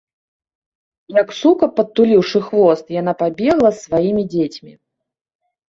Як сука, падтуліўшы хвост, яна пабегла з сваімі дзецьмі.